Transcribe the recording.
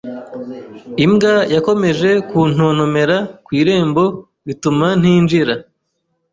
Imbwa yakomeje kuntontomera ku irembo, bituma ntinjira.